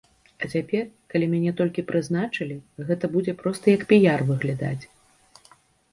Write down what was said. А цяпер, калі мяне толькі прызначылі, гэта будзе проста як піяр выглядаць.